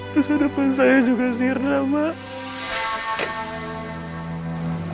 masa depan saya juga sirna mbak